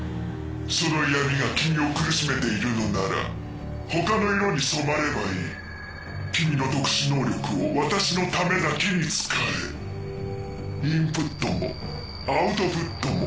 ・その闇が君を苦しめているのなら他の色に染まればいい・・君の特殊能力を私のためだけに使え・・インプットもアウトプットも・・